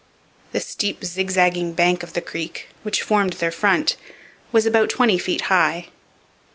The steep zigzagging bank of the creek, which formed their front, was about twenty feet high.